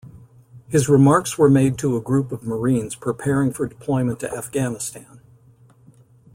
His remarks were made to a group of Marines preparing for deployment to Afghanistan.